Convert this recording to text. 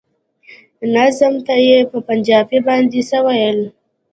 ناظم ته يې په پنجابي باندې څه ويل.